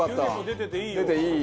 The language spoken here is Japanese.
出ていい。